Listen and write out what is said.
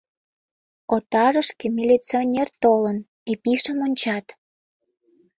Отарышке милиционер толын, Епишым ончат.